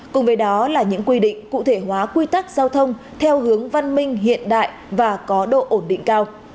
cùng với đó là những quy định cụ thể hóa quy tắc giao thông theo hướng văn minh hiện đại và có độ ổn định cao